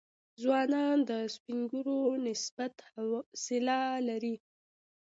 ځوانان د سپین ږیرو نسبت حوصله لري.